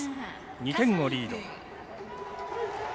２点をリード。